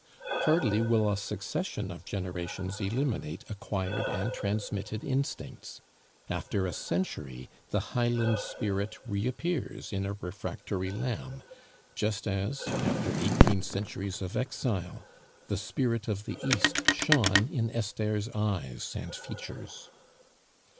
Hardly will a succession of generations eliminate acquired and transmitted instincts. After a century the highland spirit reappears in a refractory lamb, just as, after eighteen centuries of exile, the spirit of the East shone in Esther's eyes and features.